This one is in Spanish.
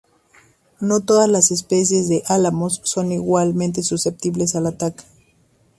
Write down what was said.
No todas las especies de álamos son igualmente susceptibles al ataque.